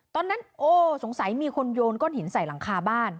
ตอนนั้นโอ้สงสัยมีคนโยนก้อนหินใส่หลังคาบ้าน